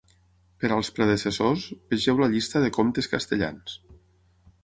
Per als predecessors, vegeu la llista de comptes castellans.